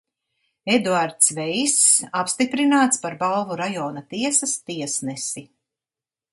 Eduards Veiss apstiprināts par Balvu rajona tiesas tiesnesi.